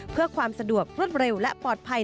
เพื่อความสะดวกรวดเร็วและปลอดภัย